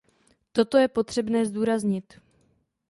Toto je potřebné zdůraznit.